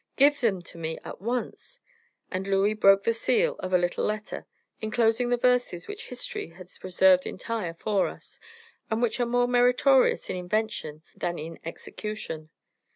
"Give them to me at once." And Louis broke the seal of a little letter, inclosing the verses which history has preserved entire for us, and which are more meritorious in invention than in execution.